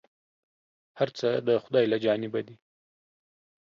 هر څه د خداى له جانبه دي ،